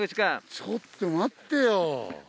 ちょっと待ってよ。